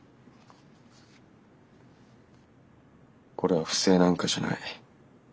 これは不正なんかじゃない。